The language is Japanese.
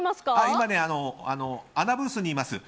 今、アナブースにいます。